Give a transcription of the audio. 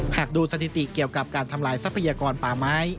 หากดูสถิติเกี่ยวกับการทำลายทรัพยากรป่าไม้